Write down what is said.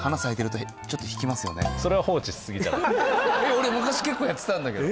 俺昔結構やってたんだけど。